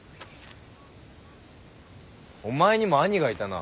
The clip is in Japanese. お前にも兄がいたな。